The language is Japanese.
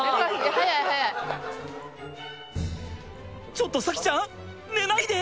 ちょっと咲希ちゃん寝ないで！？